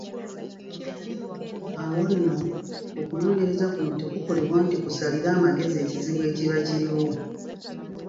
Awo nno, okunoonyereza kuno tekukolebwa nti kusalire amagezi ekizibu ekiba kiriwo.